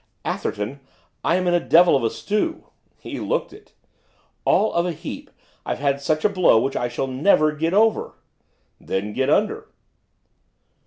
'Atherton, I am in a devil of a stew.' He looked it. 'All of a heap! I've had a blow which I shall never get over!' 'Then get under.